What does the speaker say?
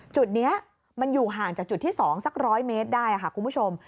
จุดนี้มันอยู่ห่างจากจุดที่๒สัก๑๐๐เมตรได้ค่ะคุณผู้ชม